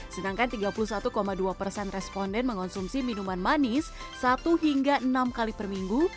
sedangkan tiga puluh satu dua persen responden mengonsumsi minuman manis satu hingga enam kali per minggu